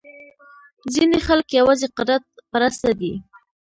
ځینې خلک یوازې قدرت پرسته دي.